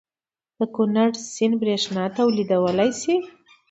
د کنړ سیند بریښنا تولیدولی شي؟